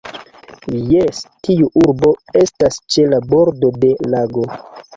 Jes, tiu urbo estas ĉe la bordo de lago.